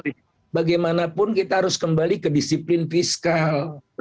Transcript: bagaimanapun kita harus kembali ke disiplin fiskal